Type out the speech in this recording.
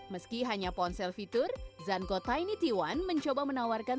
meski hanya ponsel fitur zanco tiny t satu mencoba menawarkan